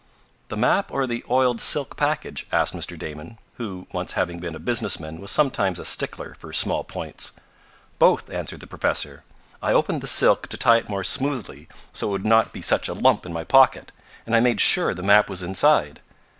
"The map or the oiled silk package?" asked Mr. Damon, who, once having been a businessman, was sometimes a stickler for small points. "Both," answered the professor. "I opened the silk to tie it more smoothly, so it would not be such a lump in my pocket, and I made sure the map was inside."